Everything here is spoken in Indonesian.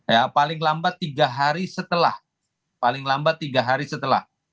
ya paling lambat tiga hari setelah paling lambat tiga hari setelah